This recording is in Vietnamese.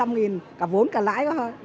một trăm linh nghìn cả vốn cả lãi